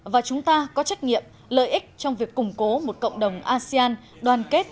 và chúng ta có trách nhiệm lợi ích trong việc củng cố một cộng đồng asean đoàn kết